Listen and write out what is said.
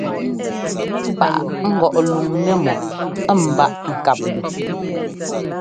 Paʼá ŋgɔʼ luŋ nɛ́mɔ ɛ́ ḿbaa ŋkáp yu.